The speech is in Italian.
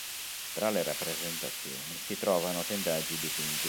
Tra le rappresentazioni si trovano tendaggi dipinti.